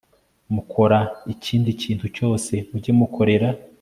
mukora ikindi kintu cyose mujye mukorera